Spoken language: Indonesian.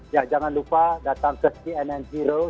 ya jangan lupa datang ke cnn zero